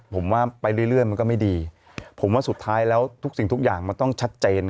ผมว่าไปเรื่อยมันก็ไม่ดีผมว่าสุดท้ายแล้วทุกสิ่งทุกอย่างมันต้องชัดเจน